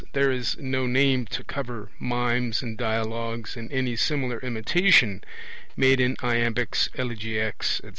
there is no name to cover mimes and dialogues and any similar imitation made in iambics, elegiacs, &c.